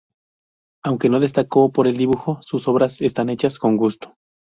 Aunque no destacó por el dibujo, sus obras están hechas con gusto.